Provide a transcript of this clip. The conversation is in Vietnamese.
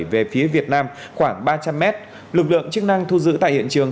về phía việt nam khoảng ba trăm linh m lực lượng chức năng thu giữ tại hiện trường